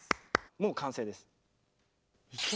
もう完成です。